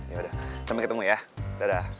yaudah sampai ketemu ya dadah